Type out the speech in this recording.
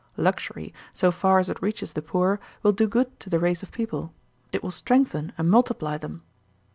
Luxury, so far as it reaches the poor, will do good to the race of people; it will strengthen and multiply them.